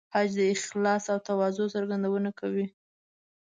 حج د اخلاص او تواضع څرګندونه کوي.